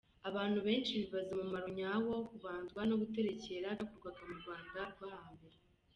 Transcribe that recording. Abantu benshi, bibaza umumaro nyawo wo kubandwa no guterekera, byakorwaga mu Rwanda rwo hambere.